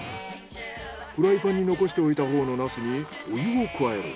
フライパンに残しておいたほうのナスにお湯を加える。